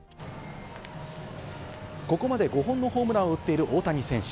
ここまで５本のホームランを打っている大谷選手。